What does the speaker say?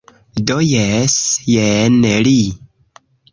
Do, jes jen li...